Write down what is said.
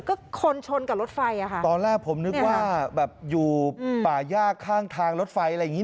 ก็คนชนกับรถไฟอ่ะค่ะตอนแรกผมนึกว่าแบบอยู่ป่าย่าข้างทางรถไฟอะไรอย่างงี